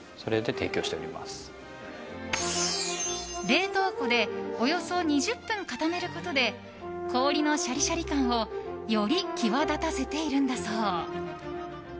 冷凍庫でおよそ２０分、固めることで氷のシャリシャリ感をより際立たせているんだそう。